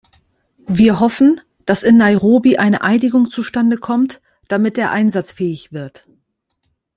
Wir hoffen, dass in Nairobi eine Einigung zustande kommt, damit er einsatzfähig wird.